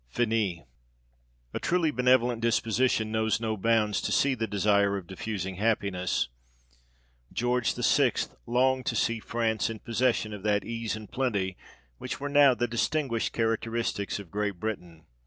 Finis. A TRULY benevolent disposition knows no bounds to the desire of diffusing happiness : George VI. longed to see France in possession of that ease and plenty which were now the distinguished characteristics of Great Britain.